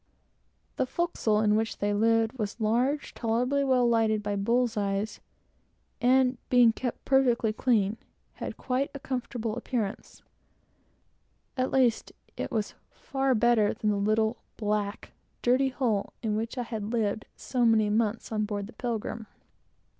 The forecastle in which they lived was large, tolerably well lighted by bulls eyes, and, being kept perfectly clean, had quite a comfortable appearance; at least, it was far better than the little, black, dirty hole in which I had lived so many months on board the Pilgrim.